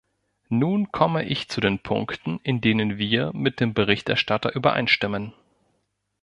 Nun komme ich zu den Punkten, in denen wir mit dem Berichterstatter übereinstimmen.